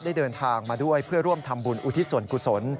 เดินทางมาด้วยเพื่อร่วมทำบุญอุทิศส่วนกุศล